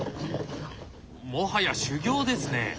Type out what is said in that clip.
もはや修行ですね。